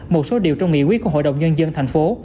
một số điều trong nghị quyết của hội đồng nhân dân tp